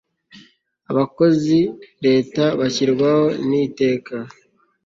abakozi leta bashyirwaho n'iteka